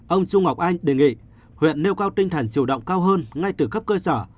ông trung ngọc anh đề nghị huyện nêu cao tinh thần chủ động cao hơn ngay từ cấp cơ sở